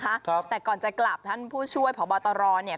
ครับแต่ก่อนจะกลับท่านผู้ช่วยผอบตรเนี่ย